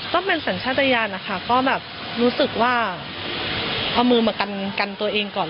ก็เป็นสัญชาติยานนะคะก็แบบรู้สึกว่าเอามือมากันตัวเองก่อน